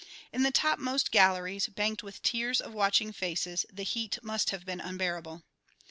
In the topmost galleries, banked with tiers of watching faces, the heat must have been unbearable.